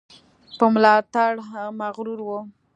په ملاتړ مغرور وو.